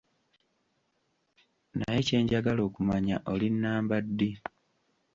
Naye kye njagala okumanya olinnamba ddi?